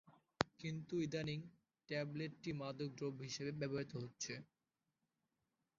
কিন্তু ইদানীং ট্যাবলেট টি মাদক দ্রব্য হিসেবে ব্যবহৃত হচ্ছে।